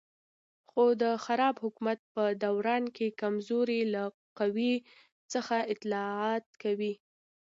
خو د خراب حکومت په دوران کې کمزوري له قوي څخه اطاعت کوي.